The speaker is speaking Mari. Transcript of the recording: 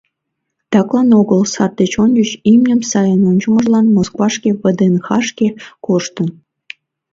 Таклан огыл сар деч ончыч имньым сайын ончымыжлан Москвашке ВДНХ-шке коштын.